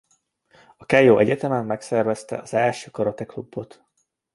A Keio Egyetemen megszervezte az első Karate Klubot.